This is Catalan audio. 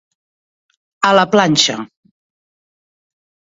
A la planxa.